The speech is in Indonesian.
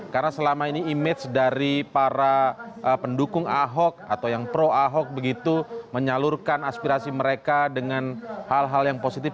karena selama ini image dari para pendukung ahok atau yang pro ahok begitu menyalurkan aspirasi mereka dengan hal hal yang positif